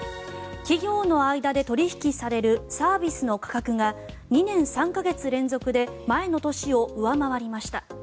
企業の間で取引されるサービスの価格が２年３か月連続で前の年を上回りました。